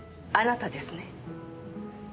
あなたですね？